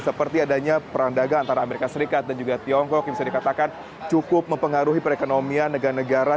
seperti adanya perang dagang antara amerika serikat dan juga tiongkok yang bisa dikatakan cukup mempengaruhi perekonomian negara negara